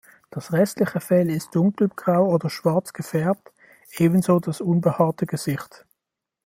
Das restliche Fell ist dunkelgrau oder schwarz gefärbt, ebenso das unbehaarte Gesicht.